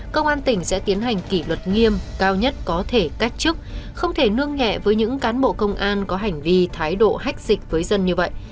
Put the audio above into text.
công an tỉnh sẽ tiến hành kỷ luật nghiêm cao nhất có thể cách chức không thể nương nhẹ với những cán bộ công an có hành vi thái độ hách dịch với dân như vậy